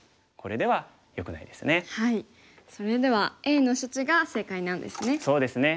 それではＡの処置が正解なんですね。